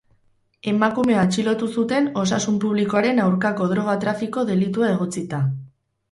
Emakumea atxilotu zuten osasun publikoaren aurkako droga-trafiko delitua egotzita.